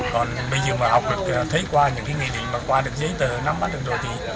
còn bây giờ mà học được thấy qua những cái nghị định mà qua được giấy tờ nắm bắt được đô thị